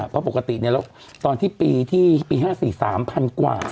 เพราะปกติแล้วตอนที่ปีที่ปี๕๔๓๐๐กว่า